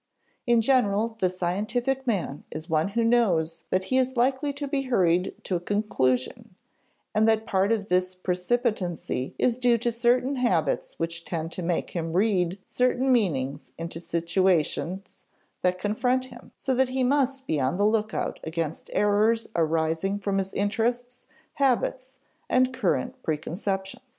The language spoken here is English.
In general, the scientific man is one who knows that he is likely to be hurried to a conclusion, and that part of this precipitancy is due to certain habits which tend to make him "read" certain meanings into the situation that confronts him, so that he must be on the lookout against errors arising from his interests, habits, and current preconceptions.